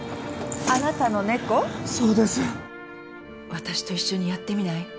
私と一緒にやってみない？